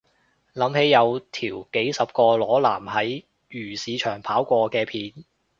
諗起有條幾十個裸男喺漁市場跑過嘅片